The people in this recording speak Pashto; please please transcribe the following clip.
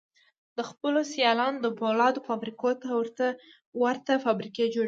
د خپلو سيالانو د پولادو فابريکو ته ورته فابريکې جوړوي.